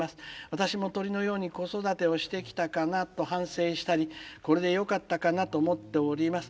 私も鳥のように子育てをしてきたかなと反省したりこれでよかったかなと思っております。